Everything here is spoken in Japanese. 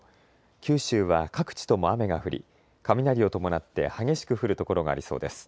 九州は各地とも雨が降り雷を伴って激しく降る所がありそうです。